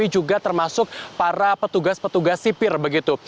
juga termasuk para petugas petugas sipir begitu